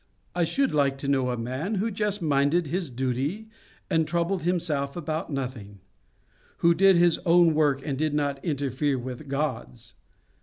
"I SHOULD like to know a man who just minded his duty and troubled himself about nothing; who did his own work and did not interfere with God's.